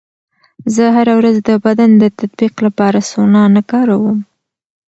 زه هره ورځ د بدن د تطبیق لپاره سونا نه کاروم.